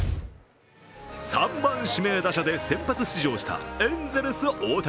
３番・指名打者で先発出場したエンゼルス・大谷。